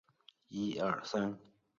这种形态都是离片锥目的亚目。